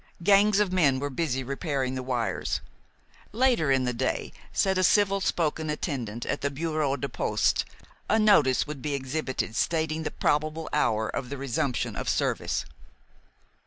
Gangs of men were busy repairing the wires. Later in the day, said a civil spoken attendant at the bureau des postes, a notice would be exhibited stating the probable hour of the resumption of service.